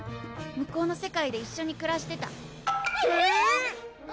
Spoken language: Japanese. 向こうの世界で一緒にくらしてたえぇ⁉えっ？